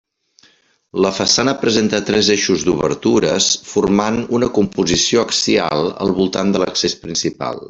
La façana presenta tres eixos d'obertures formant una composició axial al voltant de l'accés principal.